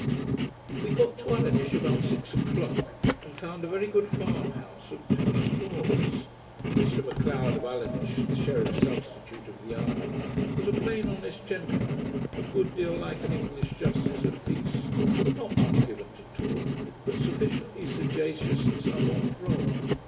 We got to Ulinish about six o'clock, and found a very good farm house, of two stories. Mr M'Leod of Ulinish, the sheriff substitute of the island, was a plain honest gentleman, a good deal like an English justice of peace; not much given to talk, but sufficiently sagacious, and somewhat droll.